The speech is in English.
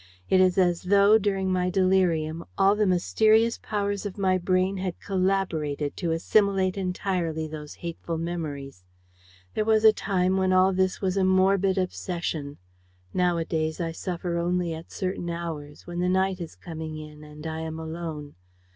It is as though, during my delirium, all the mysterious powers of my brain had collaborated to assimilate entirely those hateful memories. There was a time when all this was a morbid obsession: nowadays, I suffer only at certain hours, when the night is coming in and I am alone.